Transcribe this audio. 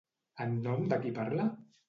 En nom de qui parla?